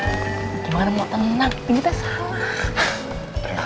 gimana mau tenang ini kita salah